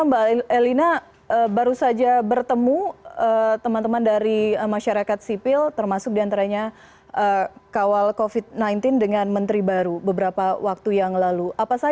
mbak elina baru saja bertemu teman teman dari masyarakat sipil termasuk diantaranya kawal covid sembilan belas dengan menteri baru beberapa waktu yang lalu